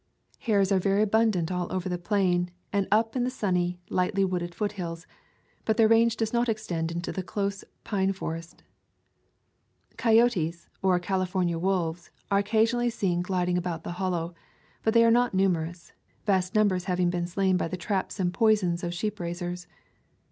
Hares are very abundant over all the plain and up in the sunny, lightly wooded foothills, but their range does not ex tend into the close pine forests. Coyotes, or California wolves, are occasion ally seen gliding about the Hollow, but they are not numerous, vast numbers having been slain by the traps and poisons of sheep raisers.